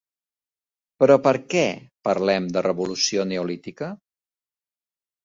Però perquè parlem de revolució neolítica?